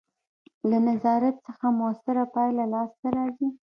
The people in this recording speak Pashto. له نظارت څخه مؤثره پایله لاسته راځي.